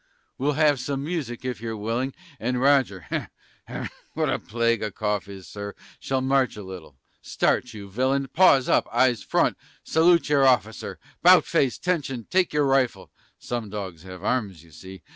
We'll have some music, if you're willing, And Roger (hem! what a plague a cough is, Sir!) Shall march a little Start, you villain! Paws up! Eyes front! Salute your officer! 'Bout face! Attention! Take your rifle! (Some dogs have arms, you see!)